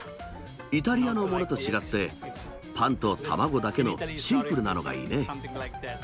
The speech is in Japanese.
イタリアのものと違って、パンと卵だけの、シンプルなのがいいね。